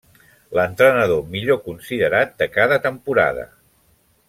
L'entrenador millor considerat de cada temporada.